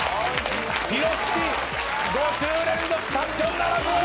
ぴろしき５週連続チャンピオンならず！